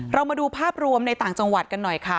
เรามาดูภาพรวมในต่างจังหวัดกันหน่อยค่ะ